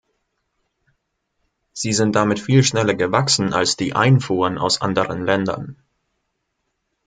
Sie sind damit viel schneller gewachsen als die Einfuhren aus anderen Ländern.